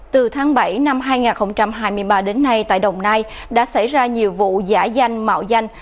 từ tháng bảy năm hai nghìn hai mươi ba đến nay tại đồng nai đã xảy ra nhiều vụ giả danh mạo danh